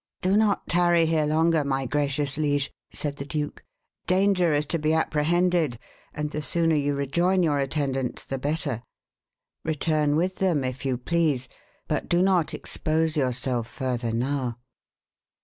"Do not tarry here longer, my gracious liege," said the duke. "Danger is to be apprehended, and the sooner you rejoin your attendants the better. Return with them, if you please, but do not expose yourself further now."